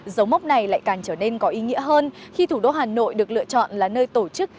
dấu mốc này lại càng trở nên có ý nghĩa hơn khi thủ đô hà nội được lựa chọn là nơi tổ chức